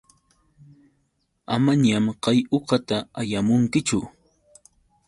Amañam kay uqata allamunkichu.